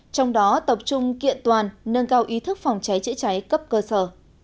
trong đó tập trung kiện toàn nâng cao ý thức phòng cháy chữa cháy cấp cơ sở